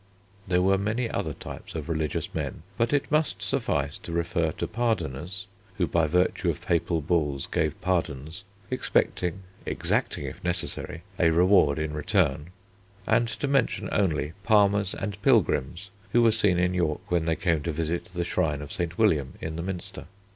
There were many other types of religious men, but it must suffice to refer to Pardoners, who by virtue of papal bulls gave pardons, expecting, exacting if necessary, a reward in return, and to mention only palmers and pilgrims, who were seen in York when they came to visit the shrine of St. William in the Minster.